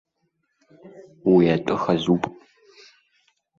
Уи атәы хазуп.